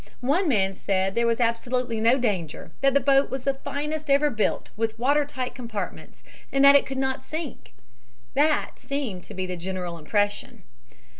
One man said there was absolutely no danger, that the boat was the finest ever built, with water tight compartments, and that it could not sink. That seemed to be the general impression.